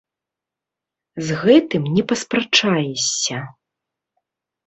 З гэтым не паспрачаешся!